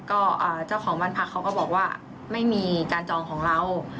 ก็เจ้าของบ้านพักเขาก็บอกว่าไม่มีการจองของเรา